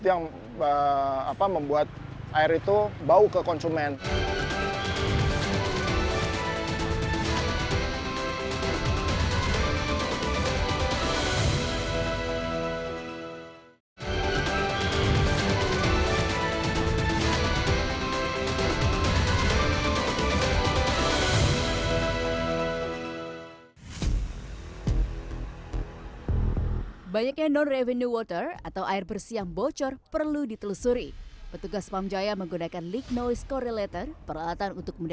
itu yang membuat air itu bau ke konsumen